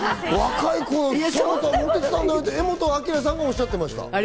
柄本明さんがおっしゃってました。